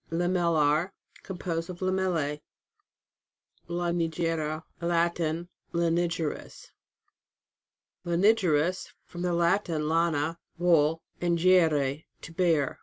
LAMELLAR. Composed of Lamellae. LANIGERA. Latin. Lanigerous. LANIGEROUS. From the Latin, lana, wool, and gerere, to bear.